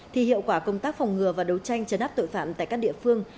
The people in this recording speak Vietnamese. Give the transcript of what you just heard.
thì hiệu quả công tác phòng ngừa và đấu tranh trấn áp tội phạm tại các địa phương